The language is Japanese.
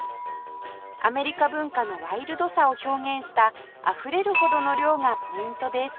アメリカ文化のワイルドさを表現したあふれるほどの量がポイントです